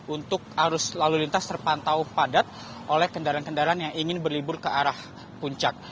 untuk arus lalu lintas terpantau padat oleh kendaraan kendaraan yang ingin berlibur ke arah puncak